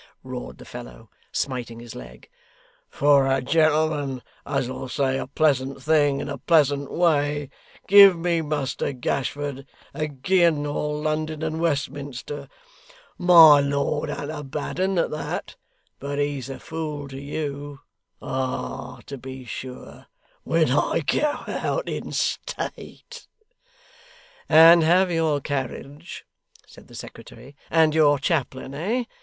roared the fellow, smiting his leg; 'for a gentleman as 'ull say a pleasant thing in a pleasant way, give me Muster Gashford agin' all London and Westminster! My lord an't a bad 'un at that, but he's a fool to you. Ah to be sure, when I go out in state.' 'And have your carriage,' said the secretary; 'and your chaplain, eh?